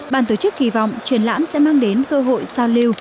bàn tổ chức kỳ vọng triển lãm sẽ mang đến cơ hội giao lưu